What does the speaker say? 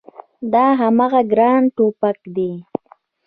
دا هماغه ګران ټوپګ دی